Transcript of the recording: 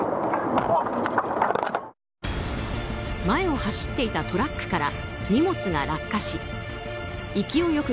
前を走っていたトラックから荷物が落下し勢い